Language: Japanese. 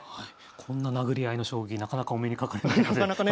こんななぐり合いの将棋なかなかお目にかかれないので楽しいですね。